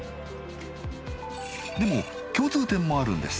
でも共通点もあるんです。